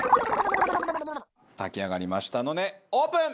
炊き上がりましたのでオープン！